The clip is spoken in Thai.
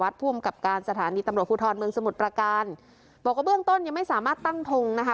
ผู้อำกับการสถานีตำรวจภูทรเมืองสมุทรประการบอกว่าเบื้องต้นยังไม่สามารถตั้งทงนะคะ